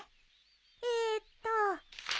えーっと。